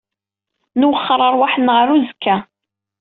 Nwexxer ṛṛwaḥ-nneɣ ɣer uzekka.